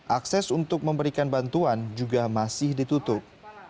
akses untuk memberikan bantuan juga masih ditutup